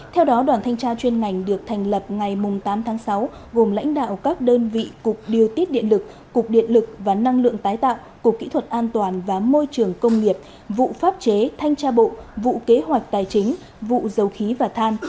theo đó đoàn thanh tra chuyên ngành được thành lập ngày tám tháng sáu gồm lãnh đạo các đơn vị cục điều tiết điện lực cục điện lực và năng lượng tái tạo cục kỹ thuật an toàn và môi trường công nghiệp vụ pháp chế thanh tra bộ vụ kế hoạch tài chính vụ dầu khí và than